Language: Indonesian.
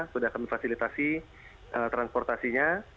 sudah kami fasilitasi transportasinya